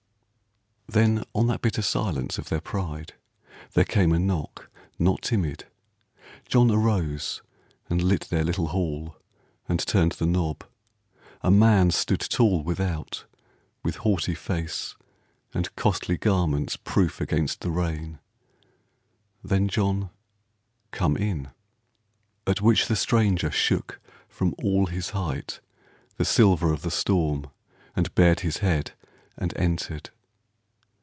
Then, on that bitter silence of their pride, There came a knock, not timid. John arose And lit their little hall, and turned the knob: A man stood tall without, with haughty face, And costly garments proof against the rain. Then John : "Come in." At which the stranger shook From all his height the silver of the storm, And bared his head, and entered.